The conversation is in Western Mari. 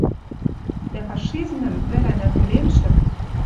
Дӓ фашизмӹм, вӹрӓн ӓнгӹремшӹм